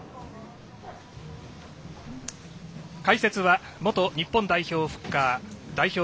解説は元日本代表フッカー代表